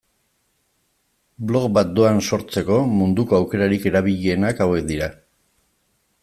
Blog bat doan sortzeko munduko aukerarik erabilienak hauek dira.